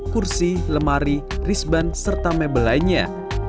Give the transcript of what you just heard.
kursi lemari risban serta mebel lainnya